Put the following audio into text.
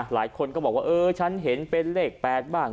หลายคนก็บอกว่าเออฉันเห็นเป็นเลข๘บ้าง